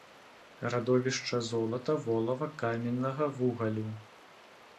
Радовішчы золата, волава, каменнага вугалю.